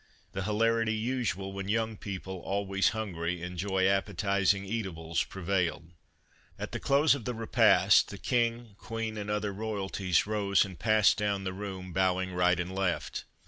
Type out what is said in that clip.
The hilarity usual when young people, always hungry, enjoy appetizing eatables prevailed. At the close of the repast the King, Queen and other royalties rose and passed down the room, bowing right and left.